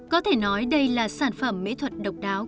có thể nói đây là sản phẩm mỹ thuật độc đáo